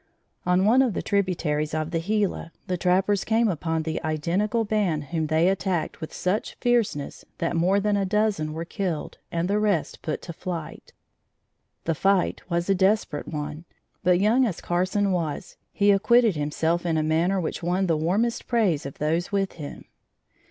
On one of the tributaries of the Gila, the trappers came upon the identical band whom they attacked with such fierceness that more than a dozen were killed and the rest put to flight. The fight was a desperate one, but young as Carson was, he acquitted himself in a manner which won the warmest praise of those with him.